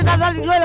ngapain lepas ini